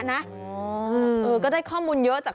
ก็ได้ข้อมูลเยอะจาก